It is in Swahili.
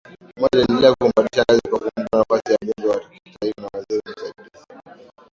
Moi aliendelea kumpandisha ngazi kwa kumpa nafasi ya mbunge wa kitaifa na waziri msaidizi